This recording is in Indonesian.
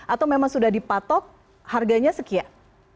atau memang sudah dipatok harganya sekian